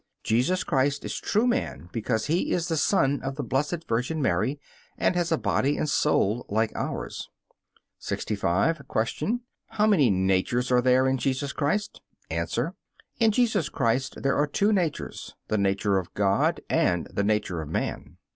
Jesus Christ is true man because He is the Son of the Blessed Virgin Mary and has a body and soul like ours. 65. Q. How many natures are there in Jesus Christ? A. In Jesus Christ there are two natures, the nature of God and the nature of man.